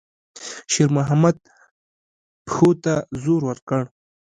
شېرمحمد پښو ته زور ورکړ.